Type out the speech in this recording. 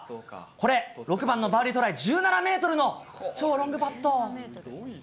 これ、６番のバーディートライ、１７メートルの超ロングパット。